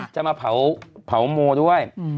จะมาเผาโมด้วย